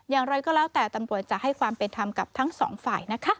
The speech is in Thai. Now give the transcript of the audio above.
อย่างไรก็แล้วแต่ตำรวจจะให้ความเป็นธรรมกับทั้งสองฝ่ายนะคะ